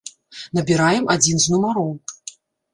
Набіраем адзін з нумароў.